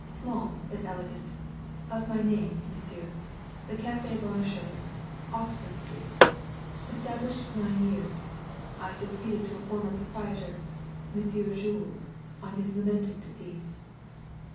"Small, but elegant. Of my name, monsieur the Cafe Bonnechose, Oxford Street. Established nine years I succeeded to a former proprietor, Monsieur Jules, on his lamented decease."